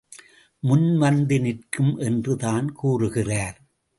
முன்வந்து நிற்கும் என்று தான் கூறுகிறார்.